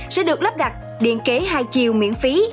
sẽ được lắp đặt điện kế hai chiều miễn phí